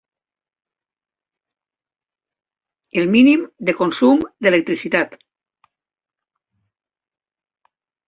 El mínim de consum d'electricitat.